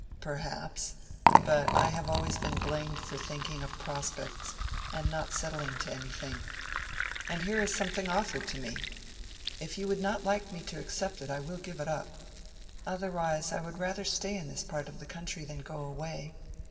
"Perhaps; but I have always been blamed for thinking of prospects, and not settling to anything. And here is something offered to me. If you would not like me to accept it, I will give it up. Otherwise I would rather stay in this part of the country than go away.